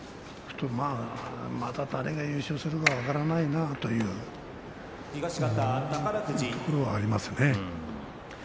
また誰が優勝するか分からないなというところはありますね。